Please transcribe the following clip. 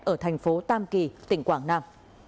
ở thành phố tam kỳ tỉnh quảng nam